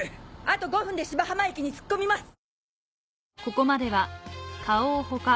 あと５分で芝浜駅に突っ込みます！